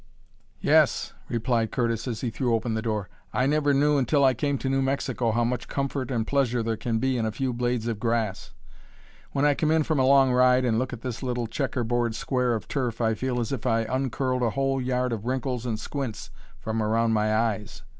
'" "Yes," replied Curtis as he threw open the door. "I never knew until I came to New Mexico how much comfort and pleasure there can be in a few blades of grass. When I come in from a long ride and look at this little checker board square of turf I feel as if I uncurled a whole yard of wrinkles and squints from around my eyes."